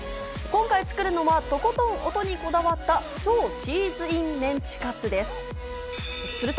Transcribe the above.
今回作るのは、とことん音にこだわった超チーズＩＮメンチカツです。